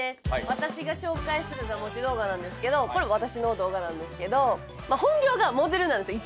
私が紹介する座持ち動画なんですけどこれ私の動画なんですけど本業がモデルなんですよ